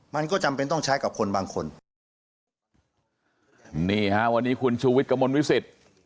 มันก็จำเป็นต้องใช้กับคนบางคนนี่ฮะวันนี้คุณชูวิทย์กระมวลวิสิต